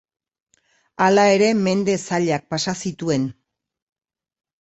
Hala ere mende zailak pasa zituen.